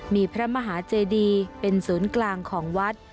มีพระมหาเจดีเป็นศูนย์กลางของวัด